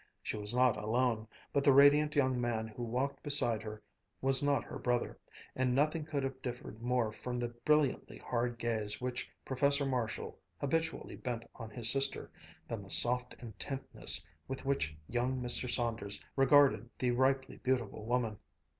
She was not alone, but the radiant young man who walked beside her was not her brother, and nothing could have differed more from the brilliantly hard gaze which Professor Marshall habitually bent on his sister, than the soft intentness with which young Mr. Saunders regarded the ripely beautiful woman.